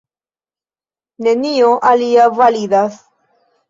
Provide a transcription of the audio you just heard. Nenio alia validas.